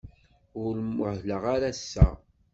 Ur muhleɣ ara ass-a.